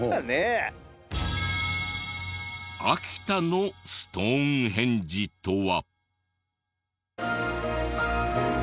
秋田のストーンヘンジとは。